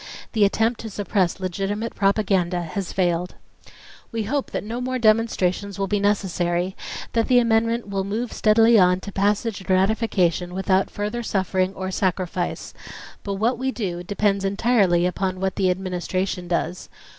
The attempt to suppress legitimate propaganda has failed. "We hope that no more demonstrations will be necessary, that the amendment will move steadily on to passage and ratification without further suffering or sacrifice. But what we do depends entirely upon what the Administration does.